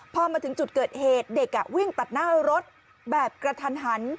พอมาถึงจุดเกิดเหตุเด็กวิ่งตัดหน้ารถแบบกระทันหัน